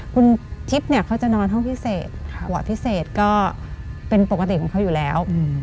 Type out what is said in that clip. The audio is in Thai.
คุณทิพย์เนี่ยเขาจะนอนห้องพิเศษหวอดพิเศษก็เป็นปกติของเขาอยู่แล้ว